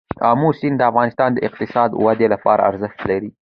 آمو سیند د افغانستان د اقتصادي ودې لپاره ارزښت لري.